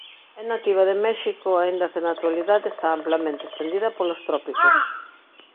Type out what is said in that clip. É nativa de México aínda que na actualidade está amplamente estendida polos trópicos.